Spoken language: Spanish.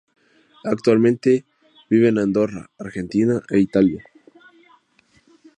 Actualmente, vive en Andorra, Argentina e Italia.